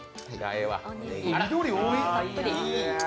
緑、多い。